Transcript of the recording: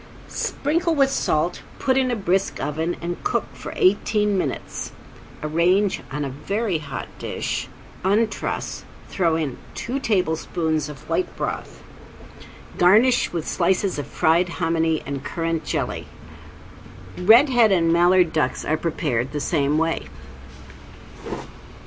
Sprinkle with salt, put in a brisk oven, and cook for eighteen minutes. Arrange on a very hot dish, untruss, throw in two tablespoons of white broth. Garnish with slices of fried hominy and currant jelly. Redhead and mallard ducks are prepared the same way.